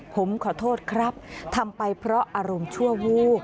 ผมขอโทษครับทำไปเพราะอารมณ์ชั่ววูบ